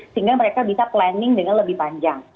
sehingga mereka bisa planning dengan lebih panjang